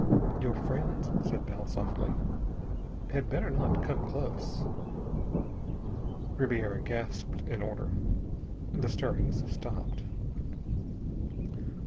"Your friends," said Bell softly, "had better not come close." Ribiera gasped an order. The stirrings stopped.